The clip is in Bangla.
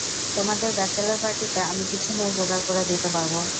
তোমাদের ব্যাচেলর পার্টিতে আমি কিছু মেয়ে জোগাড় করে দিতে পারবো।